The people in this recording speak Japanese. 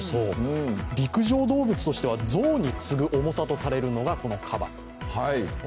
陸上動物としては象に次ぐ重さとされるのがカバ。